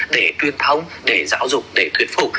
để truyền thông để giáo dục để thuyết phục